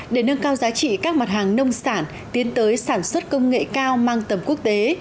để nâng cao giá trị các mặt hàng nông sản tiến tới sản xuất công nghệ cao mang tầm quốc tế